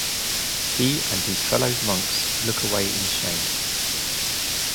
He and his fellow monks look away in shame.